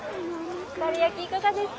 かるやきいかがですか？